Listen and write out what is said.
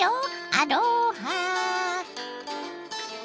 アロハ。